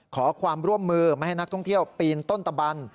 ขอความร่วมมือไม่ให้นักท่องเที่ยวปีนต้นตะบัน